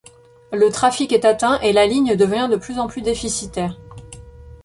Le trafic est atteint et la ligne devient de plus en plus déficitaire.